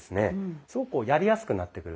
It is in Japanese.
すごくやりやすくなってくる。